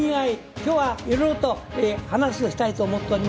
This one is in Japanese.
今日はいろいろと話をしたいと思っております。